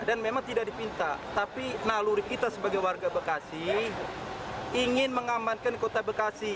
dan memang tidak dipinta tapi naluri kita sebagai warga bekasi ingin mengamankan kota bekasi